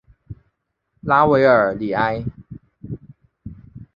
拉韦尔里埃。